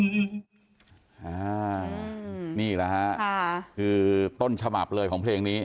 นี่อีกแล้วฮะคือต้นฉบับเลยของเพลงนี้